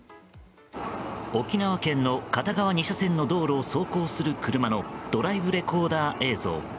沖縄県の片側２車線の道路を走行する車のドライブレコーダー映像。